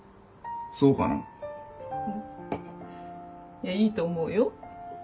いやいいと思うよ。